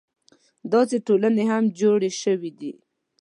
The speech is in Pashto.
داسې ټولنې هم جوړې شوې دي.